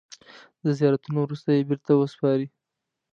د زیارتونو وروسته یې بېرته سپاري.